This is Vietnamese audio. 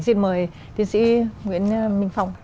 xin mời tiến sĩ nguyễn minh phong